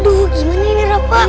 aduh gimana ini rapa